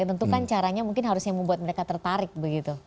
tentukan caranya mungkin harusnya membuat mereka tertarik begitu